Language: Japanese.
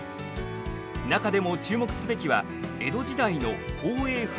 中でも注目すべきは江戸時代の宝永噴火。